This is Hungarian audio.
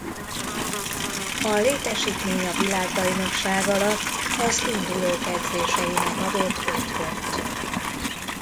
A létesítmény a világbajnokság alatt az indulók edzéseinek adott otthont.